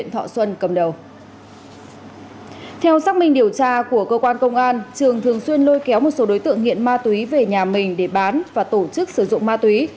theo xác minh điều tra của cơ quan công an trường thường xuyên lôi kéo một số đối tượng nghiện ma túy về nhà mình để bán và tổ chức sử dụng ma túy